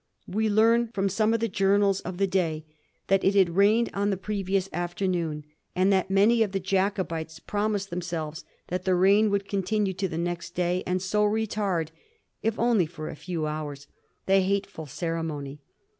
We learn from some of the journals of the day, that it had rained on the previous afternoon, and that many of the Jacobites promised them selves that the rain would continue to the next day, and so retard, if only for a few hours, the hateful ceremony.